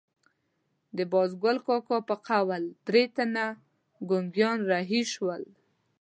د بازګل کاکا په قول درې تنه ګونګیان رهي شول.